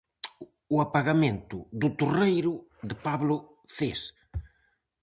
O apagamento do Torreiro, de Pablo Cés.